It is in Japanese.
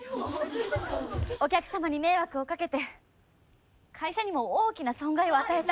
お客様に迷惑をかけて会社にも大きな損害を与えた。